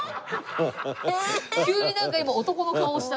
急になんか今男の顔をした。